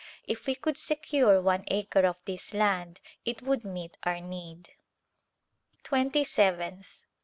If we could secure one acre of this land it would meet our need. Twenty seventh.